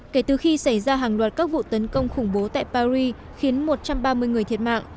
kể từ khi xảy ra hàng loạt các vụ tấn công khủng bố tại paris khiến một trăm ba mươi người thiệt mạng